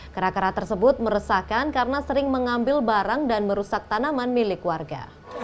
kera kera tersebut meresahkan karena sering mengambil barang dan merusak tanaman milik warga